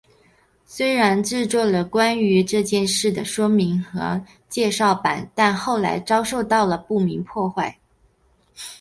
虽然制作了关于这件事的说明的介绍板但后来遭到了不明破坏。